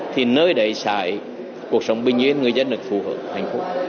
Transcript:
thì nơi để xảy cuộc sống bình yên người dân được phù hợp hạnh phúc